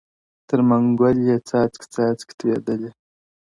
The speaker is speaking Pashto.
• تر منګول یې څاڅکی څاڅکی تویېدلې ,